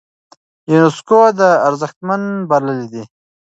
يونسکو دا ارزښتمن بللی دی.